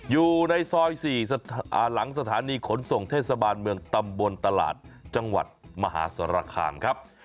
อยู่ในซอย๔หลังสถานีขนส่งเทศบาลเมืองตำบลตลาดจังหวัดมหาสารคามครับ